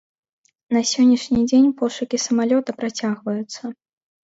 На сённяшні дзень пошукі самалёта працягваюцца.